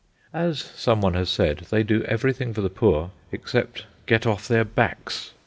As some one has said, they do everything for the poor except get off their backs.